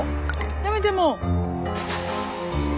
やめてもう。